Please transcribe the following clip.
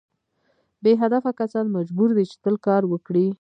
بې هدفه کسان مجبور دي چې تل کار وکړي.